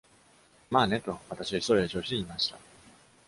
「まあね」と、私は急いだ調子で言いました。